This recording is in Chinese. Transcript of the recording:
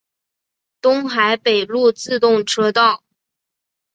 东海北陆自动车道。